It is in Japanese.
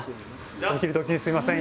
お昼どきにすいません。